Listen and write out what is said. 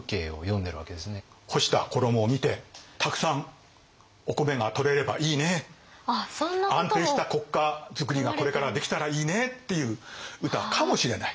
干した衣を見てたくさんお米がとれればいいね安定した国家づくりがこれからできたらいいねっていう歌かもしれない。